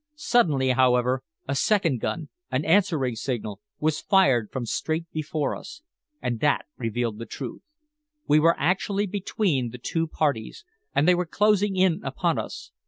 Suddenly, however, a second gun, an answering signal, was fired from straight before us, and that revealed the truth. We were actually between the two parties, and they were closing in upon us!